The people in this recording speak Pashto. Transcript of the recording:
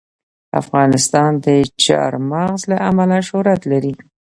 افغانستان د چار مغز له امله شهرت لري.